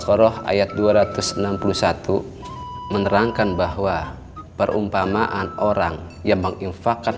al qur'an ayat dua ratus enam puluh satu menerangkan bahwa perumpamaan orang yang menginfakkan